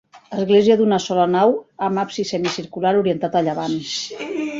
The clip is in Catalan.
Església d'una sola nau amb absis semicircular orientat a llevant.